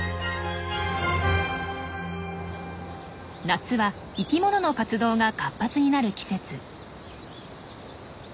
夏は生きものの活動が活発になる季節。